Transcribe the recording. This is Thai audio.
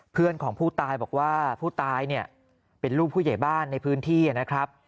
เพื่อนของผู้ตายบอกว่าผู้ตายเนี่ยเป็นลูกผู้ใหญ่บ้านในพื้นที่นะครับ